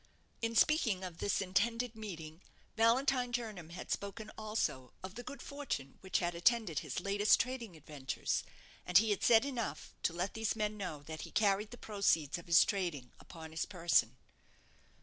In speaking of this intended meeting, Valentine Jernam had spoken also of the good fortune which had attended his latest trading adventures; and he had said enough to let these men know that he carried the proceeds of his trading upon his person.